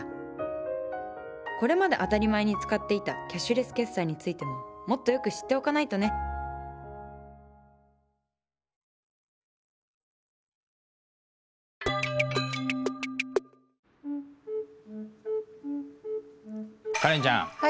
これまで当たり前に使っていたキャッシュレス決済についてももっとよく知っておかないとねカレンちゃん。はい。